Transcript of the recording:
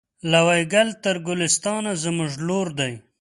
له وایګل تر ګلستانه زموږ لور دی